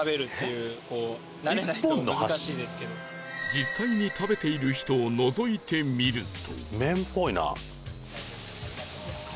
実際に食べている人をのぞいてみると